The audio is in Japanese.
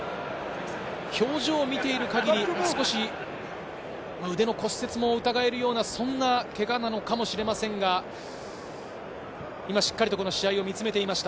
表情を見ている限り、少し腕の骨折も疑えるような、そんなケガなのかもしれませんが、しっかりと試合を見つめていました。